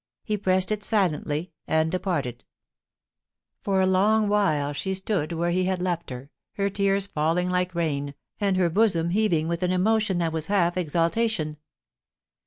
He pressed it silently, and departed For a long while she stood where he had left her, her tears falling like rain, and her bosom heaving with an emo tion that was half exultation.